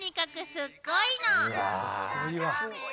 すごいな！